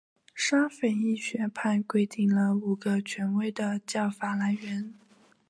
沙斐仪学派规定了五个权威的教法来源。